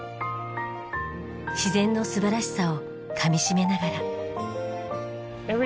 自然の素晴らしさをかみしめながら。